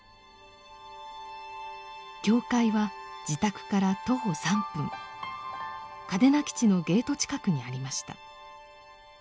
教会は自宅から徒歩３分嘉手納基地のゲート近くにありました。